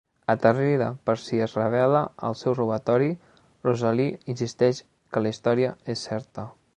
Aterrida per si es revela el seu robatori, Rosalie insisteix que la història és certa.